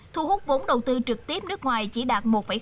thu hút vốn đầu tư trực tiếp nước ngoài chỉ đạt một tám